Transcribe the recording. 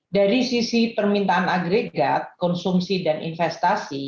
dari sisi permintaan agregat konsumsi dan investasi